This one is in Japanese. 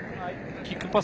キックパス。